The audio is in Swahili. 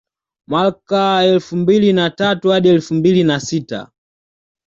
Mwaka elfu mbili na tatu hadi elfu mbili na sita